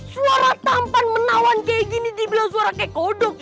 suara tampan menawan kayak gini dibilang suara kayak kodok